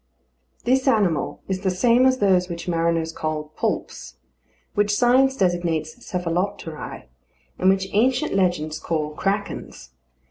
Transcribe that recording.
This animal is the same as those which mariners call Poulps; which science designates Cephalopteræ, and which ancient legends call Krakens.